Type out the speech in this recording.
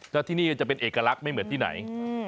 แล้วที่นี่ก็จะเป็นเอกลักษณ์ไม่เหมือนที่ไหน